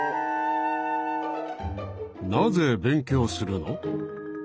なぜ勉強するの？